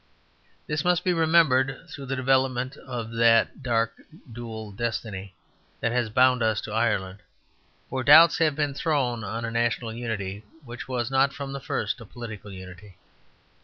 This must be remembered through the development of that dark dual destiny that has bound us to Ireland: for doubts have been thrown on a national unity which was not from the first a political unity.